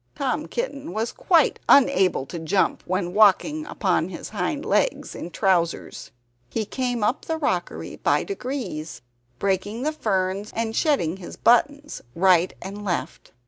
Tom Kitten was quite unable to jump when walking upon his hind legs in trousers. He came up the rockery by degrees, breaking the ferns and shedding buttons right and left.